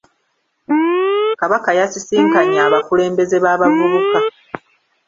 Kabaka yasisinkanye abakulembeze b’abavubuka.